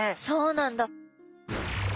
そうなんだ。